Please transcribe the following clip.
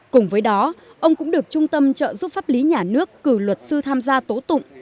cùng với đó ông cũng được trung tâm trợ giúp pháp lý nhà nước cử luật sư tham gia tố tụng